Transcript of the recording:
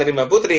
dari mbak putri